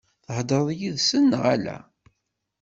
Theḍṛem yid-sen neɣ ala?